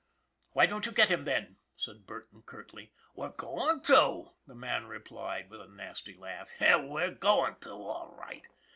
"Why don't you get him, then?" said Burton curtly. " We're goin j to," the man replied, with a nasty laugh. " We're goin' to, all right.